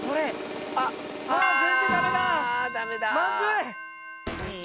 いい？